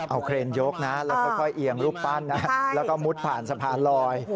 เอาเครนยกนะแล้วค่อยเอียงรูปปั้นนะแล้วก็มุดผ่านสะพานลอย